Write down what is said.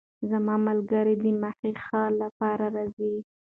زما ملګرې د مخې ښې لپاره راځي.